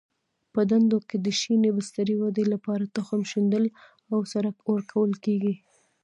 په ډنډونو کې د شینې بسترې ودې لپاره تخم شیندل او سره ورکول کېږي.